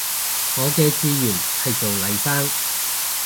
我嘅志願係做黎生